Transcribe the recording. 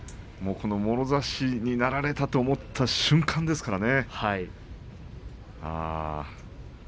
もろ差しになられたと思った瞬間でしたね。